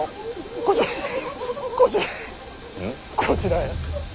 こちらへ。